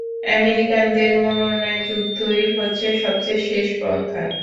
আমেরিকানদের মননে যুদ্ধই হচ্ছে সবচেয়ে শেষ পন্থা।